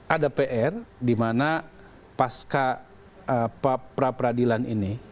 ada pr di mana pasca pra peradilan ini